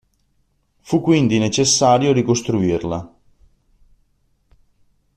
Fu quindi necessario ricostruirla.